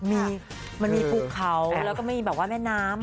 มีมันมีภูเขาแล้วก็มีแบบว่าแม่น้ำ